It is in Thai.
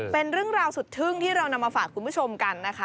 เป็นเรื่องราวสุดทึ่งที่เรานำมาฝากคุณผู้ชมกันนะคะ